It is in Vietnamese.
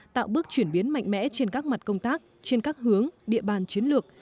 tạo bước chuyển biến mạnh mẽ trên các mặt công tác trên các hướng địa bàn chiến lược